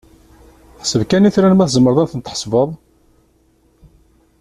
Ḥseb kan itran, ma tzemreḍ ad ten-tḥesbeḍ!